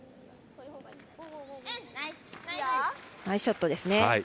ナイスショットですね。